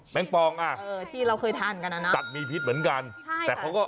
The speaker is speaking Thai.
แมงปองอ่ะจัดมีพิษเหมือนกันเออที่เราเคยทานกันนะ